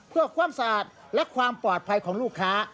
เพื่อความสะอาดและความปลอดภัยของลูกค้า